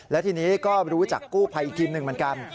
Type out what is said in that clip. และทีนี้ก็รู้จักกู้ภัยอีกทีมหนึ่งเหมือนกัน